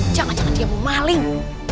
jangan jangan dia mau maling